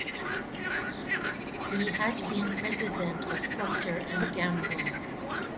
He had been president of Procter and Gamble.